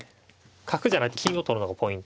角じゃなくて金を取るのがポイントで。